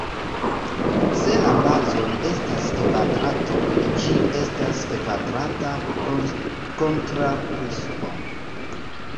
Se la bazoj estas kvadratoj ĝi estas kvadrata kontraŭprismo.